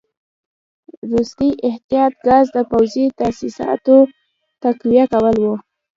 وروستی احتیاطي ګام د پوځي تاسیساتو تقویه کول وو.